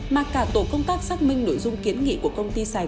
mà cả tổ công tác xác minh nội dung kiến nghị của công ty sài gòn đại ninh